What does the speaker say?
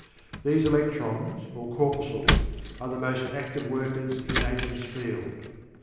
These electrons, or corpuscles, are the most active workers in Nature's field.